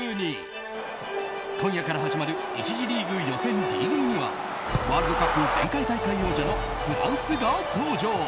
今夜から始まる１次リーグ予選Ｄ組にはワールドカップ前回大会王者のフランスが登場。